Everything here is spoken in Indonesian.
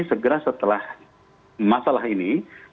segera setelah masalah ini